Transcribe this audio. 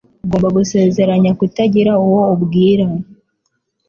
Ugomba gusezeranya kutagira uwo ubwira.